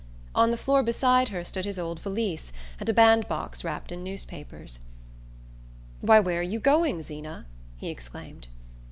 On the floor beside her stood his old valise and a bandbox wrapped in newspapers. "Why, where are you going, Zeena?" he exclaimed.